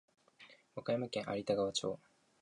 和歌山県有田川町